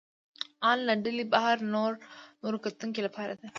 ان له ډلې بهر نورو کتونکو لپاره ده.